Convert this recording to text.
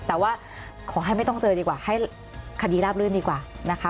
แต่ว่าขอให้ไม่ต้องเจอดีกว่าให้คดีราบลื่นดีกว่านะคะ